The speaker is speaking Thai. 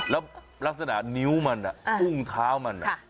แล้วลักษณะนิ้วมันอุ้งเท้ามัน